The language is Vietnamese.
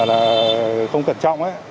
là không cẩn trọng ấy